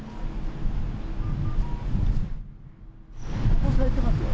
ここ咲いてますよ。